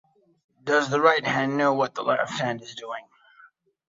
Does the right hand know what the left hand is doing?